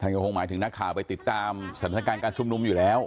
ก็คงหมายถึงนักข่าวไปติดตามสถานการณ์การชุมนุมอยู่แล้ว